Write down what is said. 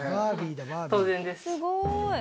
すごーい。